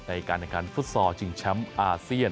ในการแข่งขันฟุตซอลชิงแชมป์อาเซียน